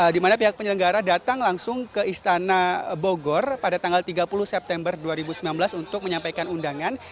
di mana pihak penyelenggara datang langsung ke istana bogor pada tanggal tiga puluh september dua ribu sembilan belas untuk menyampaikan undangan